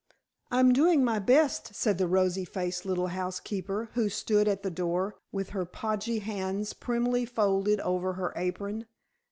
"I'm doing my best," said the rosy faced little housekeeper, who stood at the door with her podgy hands primly folded over her apron.